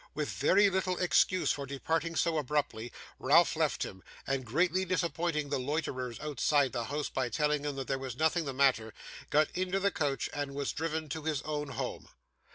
With very little excuse for departing so abruptly, Ralph left him, and, greatly disappointing the loiterers outside the house by telling them there was nothing the matter, got into the coach, and was driven to his own home.